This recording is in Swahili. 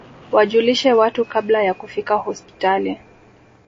wajulishe watu kabla ya kufika hospitali